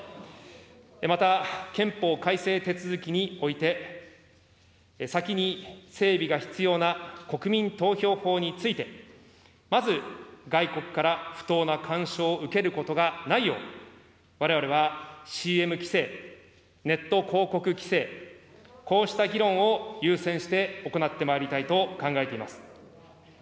また憲法改正手続きにおいて、先に整備が必要な国民投票法について、まず外国から不当な干渉を受けることがないよう、われわれはＣＭ規制、ネット広告規制、こうした議論を優先して行ってまいりたいと考えています。